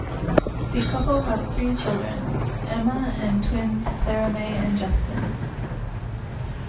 The couple have three children, Emma and twins SaraMai and Justin.